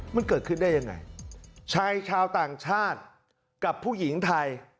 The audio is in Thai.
มันเกิดขึ้นได้ยังไงชายชาวต่างชาติกับผู้หญิงไทย